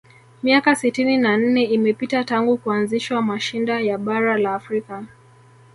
miaka sitini na nne imepita tangu kuanzishwa mashinda ya bara la afrika